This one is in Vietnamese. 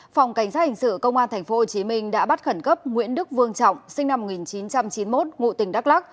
phòng cảnh sát hình sự công an tp hcm đã bắt khẩn cấp nguyễn đức vương trọng sinh năm một nghìn chín trăm chín mươi một ngụ tỉnh đắk lắc